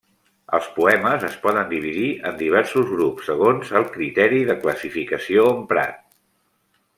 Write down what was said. Els poemes es poden dividir en diversos grups segons el criteri de classificació emprat.